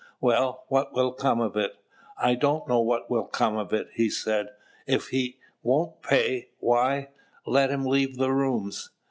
"Well, what will come of it?" "I don't know what will come of it: he said, 'If he won't pay, why, let him leave the rooms.